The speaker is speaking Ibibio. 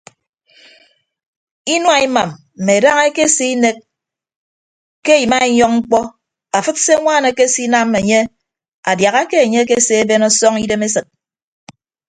Inua imam mme daña ekese inek ke imainyọñ mkpọ afịd se añwaan ekesinam enye adiaha ke enye akese ben ọsọñ idem esịt.